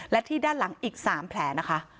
และที่ด้านหลังอีก๓แผลนะคะ